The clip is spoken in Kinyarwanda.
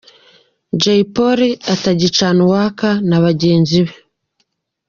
Jay Polly utagicana uwaka na bagenzi be.